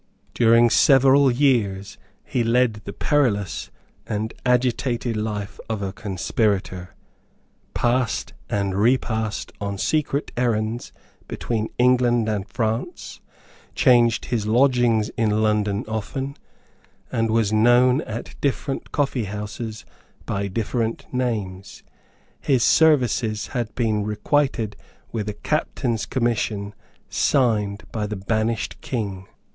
During several years he led the perilous and agitated life of a conspirator, passed and repassed on secret errands between England and France, changed his lodgings in London often, and was known at different coffeehouses by different names. His services had been requited with a captain's commission signed by the banished King.